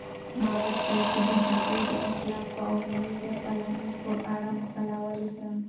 ما غوښتل چې د ببو د اخلاقو او مېړه پالنې په اړه مقاله ولیکم.